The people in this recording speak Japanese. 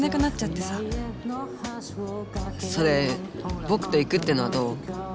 それぼくと行くっていうのはどう？